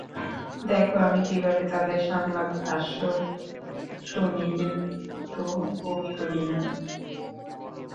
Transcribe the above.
দেখো আমি কীভাবে তাদের সংবাদ ভাষ্য শুনি কিন্তু বমি করি না।